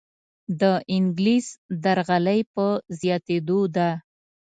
دانګلیس درغلۍ په زیاتیدو ده.